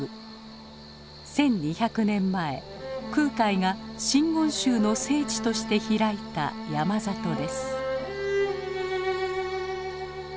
１，２００年前空海が真言宗の聖地として開いた山里です。